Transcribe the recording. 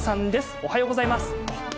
おはようございます。